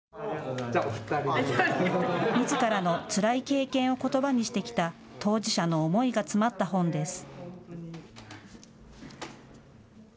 みずからのつらい経験をことばにしてきた当事者の思いが詰まった本です。